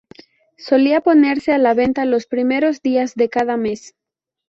Solía ponerse a la venta los primeros días de cada mes.